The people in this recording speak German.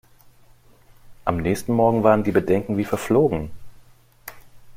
Am nächsten Morgen waren die Bedenken wie verflogen.